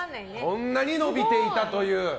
こんなに伸びていたという。